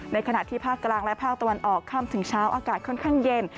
ขณะที่ภาคกลางและภาคตะวันออกค่ำถึงเช้าอากาศค่อนข้างเย็น